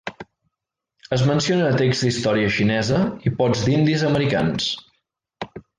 Es menciona a texts d'història xinesa i pots d'indis americans.